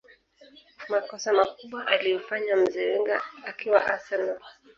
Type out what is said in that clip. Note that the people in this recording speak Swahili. makossa makubwa aliyofanya mzee Wenger akiwa arsenal